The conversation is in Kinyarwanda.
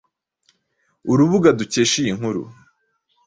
Urubuga dukesha iyi nkuru,